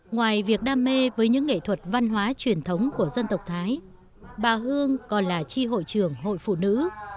ngoài việc đam mê với những nghệ thuật văn hóa truyền thống của dân tộc thái bà hương còn là tri hội trưởng hội phụ nữ